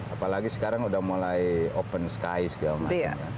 apalagi sekarang sudah mulai open sky segala macam